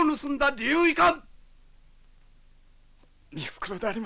理由いかん！